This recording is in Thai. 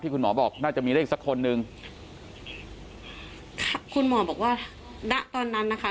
คุณหมอบอกน่าจะมีเลขสักคนหนึ่งค่ะคุณหมอบอกว่าณตอนนั้นนะคะ